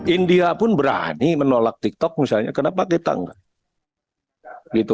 india pun berani menolak tiktok misalnya kenapa kita enggak